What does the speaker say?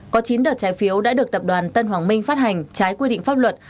có chín đợt trái phiếu đã được tập đoàn tân hoàng minh phát hành trái quy định pháp luật